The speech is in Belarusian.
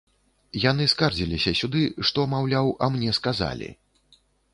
Яны скардзіліся сюды, што, маўляў, а мне сказалі.